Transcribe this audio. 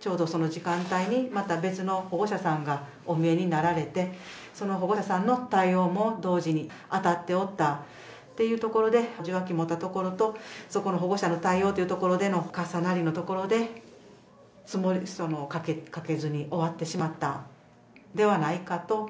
ちょうどその時間帯に、また別の保護者さんがお見えになられて、その保護者さんの対応も同時に当たっておったっていうところで、受話器を持ったところと、そこの保護者の対応というところでの、重なりのところで、かけずに終わってしまったのではないかと。